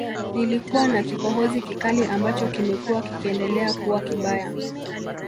Nilikuwa na kikohozi kikali ambacho kimekuwa kikiendelea kuwa kibaya